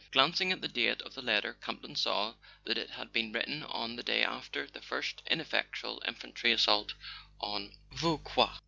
Glancing at the date of the letter, Campton saw that it had been written on the day after the first ineffectual infantry assault on Vau quois.